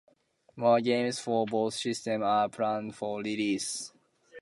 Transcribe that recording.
More games for both systems are planned for release.